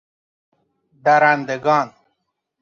درندگان